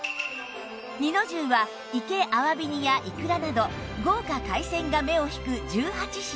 二の重は活け鮑煮やイクラなど豪華海鮮が目を引く１８品